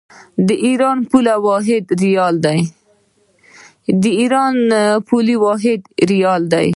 د ایران پولي واحد ریال دی.